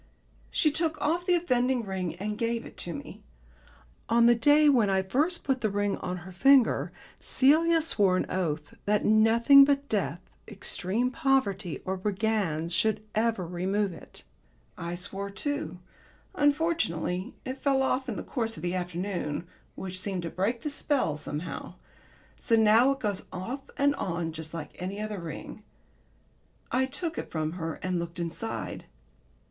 She took off the offending ring and gave it to me. On the day when I first put the ring on her finger, Celia swore an oath that nothing but death, extreme poverty or brigands should ever remove it. I swore too. Unfortunately it fell off in the course of the afternoon, which seemed to break the spell somehow. So now it goes off and on just like any other ring. I took it from her and looked inside.